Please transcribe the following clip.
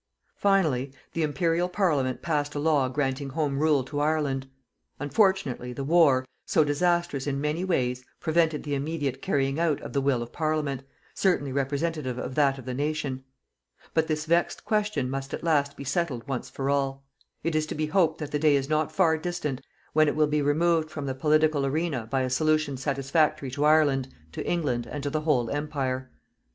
Finally, the Imperial Parliament passed a law granting Home Rule to Ireland. Unfortunately, the war, so disastrous in many ways, prevented the immediate carrying out of the will of Parliament, certainly representative of that of the nation. But this vexed question must at last be settled once for all. It is to be hoped that the day is not far distant when it will be removed from the political arena by a solution satisfactory to Ireland, to England and to the whole Empire.